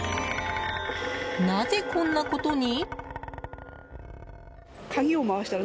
なぜ、こんなことに？